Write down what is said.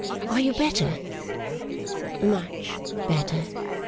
Are you better?' 'Much better.